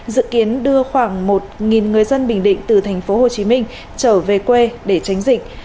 dự kiến đưa khoảng một người dân bình định từ tp hcm trở về quê để tránh dịch